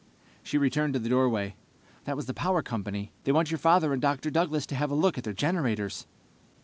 She returned to the doorway. "That was the power company. They want your father and Dr. Douglas to have a look at their generators.